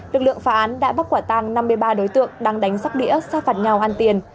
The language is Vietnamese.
lực lượng phá án đã bắt quả tàng năm mươi ba đối tượng đang đánh sắc đĩa xác phạt nhau ăn tiền